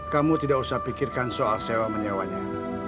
kamu tidak usah pikirkan soal sewa menyewanya